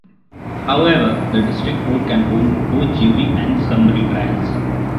However, the District Court can hold both jury and summary trials.